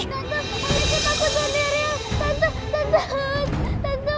tante aku takut sendiri